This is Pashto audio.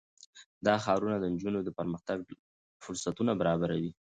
دا ښارونه د نجونو د پرمختګ لپاره فرصتونه برابروي.